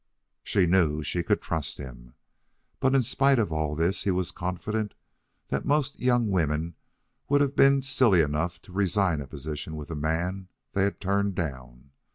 She knew she could trust him. But in spite of all this he was confident that most young women would have been silly enough to resign a position with a man they had turned down.